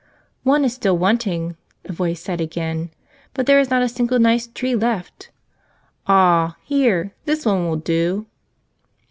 "One is still wanting," a voice said again, "but there is not a single nice tree left. Ah, here, this one will do